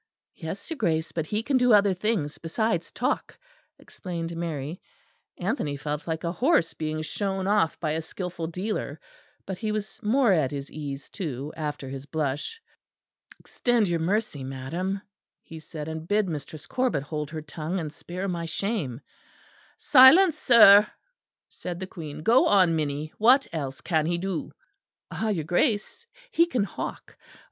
"Yes, your Grace; but he can do other things besides talk," explained Mary. Anthony felt like a horse being shown off by a skilful dealer, but he was more at his ease too after his blush. "Extend your mercy, madam," he said, "and bid Mistress Corbet hold her tongue and spare my shame." "Silence, sir!" said the Queen. "Go on, Minnie; what else can he do?" "Ah! your Grace, he can hawk. Oh!